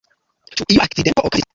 Ĉu iu akcidento okazis al ŝi?